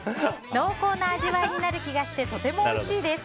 濃厚な味わいになる気がしてとてもおいしいです。